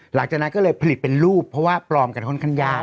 หลังจากนั้นก็เลยผลิตเป็นรูปเพราะว่าปลอมกันค่อนข้างยาก